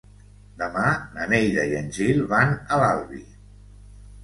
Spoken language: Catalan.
Demà na Neida i en Gil van a l'Albi.